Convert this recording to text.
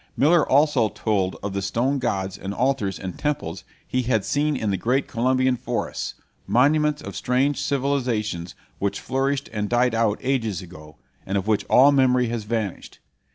Miller also told of the stone gods and altars and temples he had seen in the great Colombian forests, monuments of strange civilizations which flourished and died out ages ago, and of which all memory has vanished.